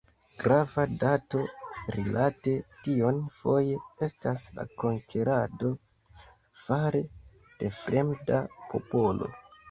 Grava dato rilate tion foje estas la konkerado fare de fremda popolo.